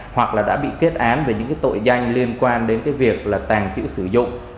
hoặc đã bị kết án về những tội danh liên quan đến việc tàn trữ sử dụng